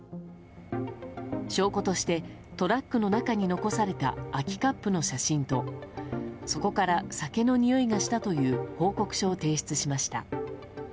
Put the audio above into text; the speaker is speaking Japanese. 証拠としてトラックの中に残された空きカップの写真とそこから酒のにおいがしたという報告書を提出しました。